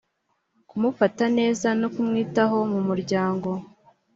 kumufata neza no kumwitaho mu muryango